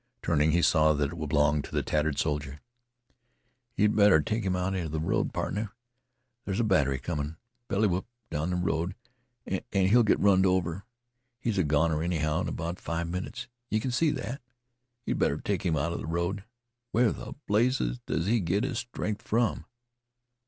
Turning he saw that it belonged to the tattered soldier. "Ye 'd better take 'im outa th' road, pardner. There 's a batt'ry comin' helitywhoop down th' road an' he 'll git runned over. He 's a goner anyhow in about five minutes yeh kin see that. Ye 'd better take 'im outa th' road. Where th' blazes does he git his stren'th from?"